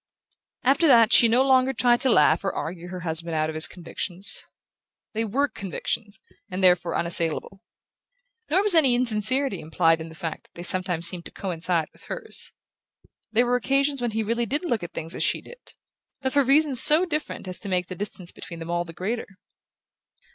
After that she no longer tried to laugh or argue her husband out of his convictions. They WERE convictions, and therefore unassailable. Nor was any insincerity implied in the fact that they sometimes seemed to coincide with hers. There were occasions when he really did look at things as she did; but for reasons so different as to make the distance between them all the greater.